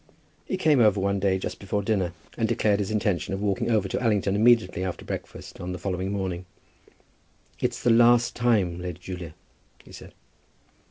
He came over one day, just before dinner, and declared his intention of walking over to Allington immediately after breakfast on the following morning. "It's the last time, Lady Julia," he said.